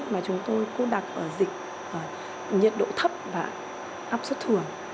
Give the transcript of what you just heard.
mà chúng tôi cô đặc ở dịch nhiệt độ thấp và áp suất thường